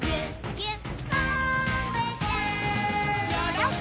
ぎゅっ！